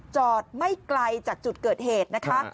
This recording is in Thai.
จอดไม่ไกลจากจุดเกิดเหตุนะคะ